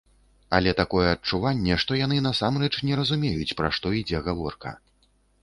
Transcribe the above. Але такое адчуванне, што яны насамрэч не разумеюць, пра што ідзе гаворка.